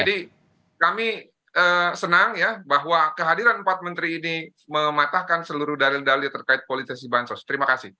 jadi kami senang ya bahwa kehadiran empat menteri ini mematahkan seluruh dalil dalil terkait politik asesi bansos terima kasih